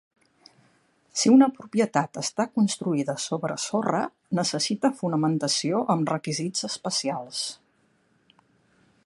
Si una propietat està construïda sobre sorra, necessita fonamentació amb requisits especials.